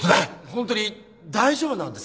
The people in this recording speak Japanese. ホントに大丈夫なんですか？